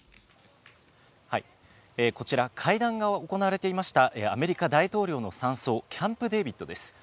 こちら、会談が行われていましたアメリカ大統領の山荘、キャンプ・デービッドです。